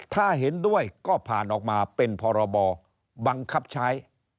ถ้าเห็นด้วยก็ผ่านออกมาเป็นพรบบังคับใช้